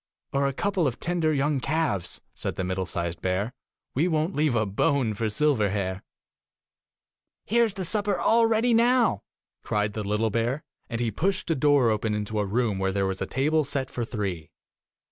'Or a couple of tender young calves,' said the middle sized bear. 'We won't leave a bone for Silverhair.' ' Here is the supper all ready now,' cried the little bear, and he pushed a door open into a room where there was a table set for three.